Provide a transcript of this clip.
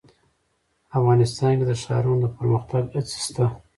افغانستان کې د ښارونو د پرمختګ هڅې شته.